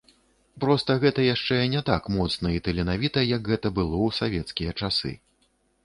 Проста гэта яшчэ не так моцна і таленавіта, як гэта было ў савецкія часы.